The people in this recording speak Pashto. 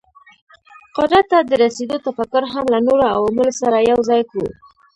قدرت ته د رسېدو تفکر هم له نورو عواملو سره یو ځای کړو.